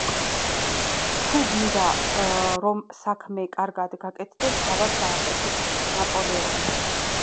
„თუ გინდა, რომ საქმე კარგად გაკეთდეს, თავად გააკეთე ის.” – ნაპოლეონი.